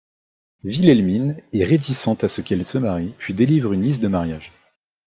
Wilhelmine est réticente à ce qu'elle se marie puis délivre une liste de mariage.